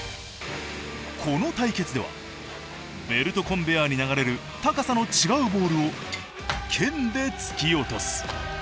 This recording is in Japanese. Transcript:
この対決ではベルトコンベヤーに流れる高さの違うボールを剣で突き落とす。